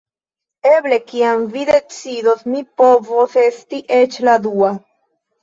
Eble kiam vi decidos, mi povos esti eĉ la dua